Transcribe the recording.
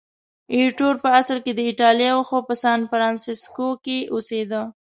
ایټور په اصل کې د ایټالیا و، خو په سانفرانسیسکو کې اوسېده.